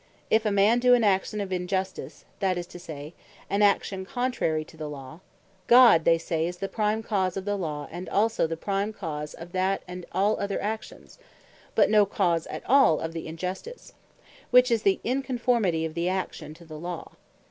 If a man doe an action of Injustice, that is to say, an action contrary to the Law, God they say is the prime cause of the Law, and also the prime cause of that, and all other Actions; but no cause at all of the Injustice; which is the Inconformity of the Action to the Law.